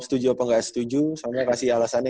setuju apa nggak setuju soalnya kasih alasannya